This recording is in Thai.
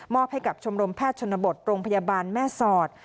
อบให้กับชมรมแพทย์ชนบทโรงพยาบาลแม่สอด